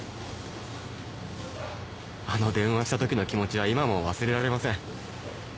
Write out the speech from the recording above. あの電話したときの気持ちは今も忘れられません。